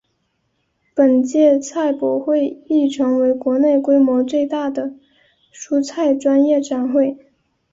本届菜博会亦成为国内规模最大的蔬菜专业展会。